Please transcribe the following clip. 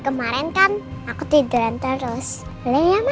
ke filial weather song masih dibilang idei saya aja